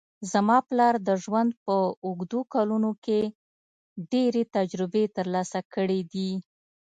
زما پلار د ژوند په اوږدو کلونو کې ډېرې تجربې ترلاسه کړې دي